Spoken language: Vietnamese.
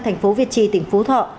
thành phố việt trì tỉnh phú thọ